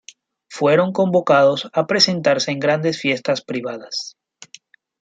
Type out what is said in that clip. Fueron convocados a presentarse en grandes fiestas privadas.